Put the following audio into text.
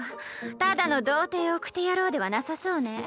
ただの童貞おくて野郎ではなさそうね。